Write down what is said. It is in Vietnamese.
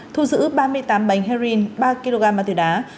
thu giữ ba mươi tám bánh herring ba kg mát thuyền đá